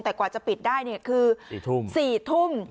แต่กว่าจะปิดได้คือ๔ทุ่ม